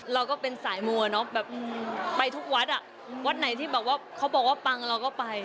เราก็เป็นสายมัวเนอะแบบไปทุกวัดอ่ะวัดไหนที่แบบว่าเขาบอกว่าปังเราก็ไป